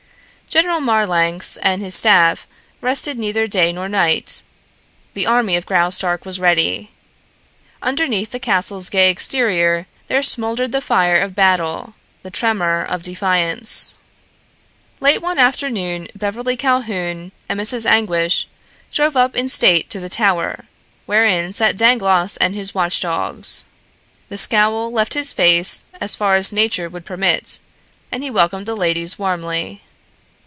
General Marlanx and his staff rested neither day nor night. The army of Graustark was ready. Underneath the castle's gay exterior there smouldered the fire of battle, the tremor of defiance. Late one afternoon Beverly Calhoun and Mrs. Anguish drove up in state to the Tower, wherein sat Dangloss and his watchdogs. The scowl left his face as far as nature would permit and he welcomed the ladies warmly.